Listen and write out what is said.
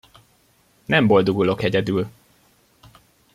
Nem boldogulok egyedül!